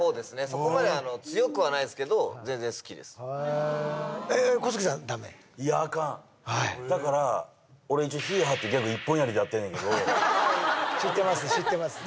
そこまであの強くはないですけど全然好きです・へえはいだから俺一応ヒーハーってギャグ一本槍でやってるんやけど知ってます